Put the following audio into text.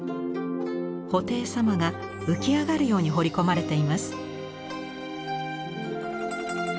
布袋様が浮き上がるように彫り込まれています。